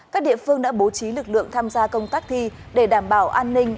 các địa phương đã bố trí lực lượng tham gia công tác thi để đảm bảo an ninh